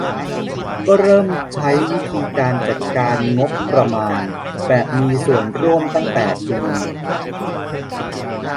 ก็เริ่มใช้วิธีการจัดการงบประมาณแบบมีส่วนร่วมตั้งแต่ปี